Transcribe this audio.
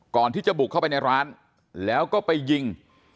ก่อนที่จะบุกเข้าไปในร้านแล้วก็ไปยิง